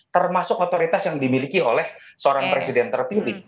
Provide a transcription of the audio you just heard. termasuk otoritas yang dimiliki oleh seorang presiden terpilih